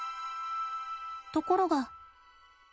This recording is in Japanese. ところが。